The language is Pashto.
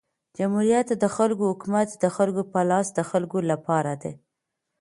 جمهوریت د خلکو حکومت د خلکو په لاس د خلکو له پاره دئ.